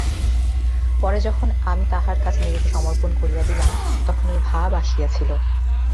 পরে যখন আমি তাঁহার কাছে নিজেকে সমর্পণ করিয়া দিলাম, তখন ঐ ভাব আসিয়াছিল।